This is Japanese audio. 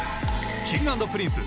Ｋｉｎｇ＆Ｐｒｉｎｃｅ